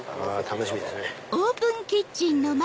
楽しみですね。